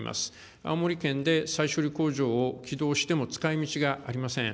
青森県で再処理工場を起動しても使いみちがありません。